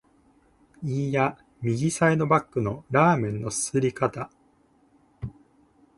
いーや、右サイドバックのラーメンの啜り方！